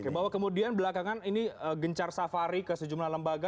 oke bahwa kemudian belakangan ini gencar safari ke sejumlah lembaga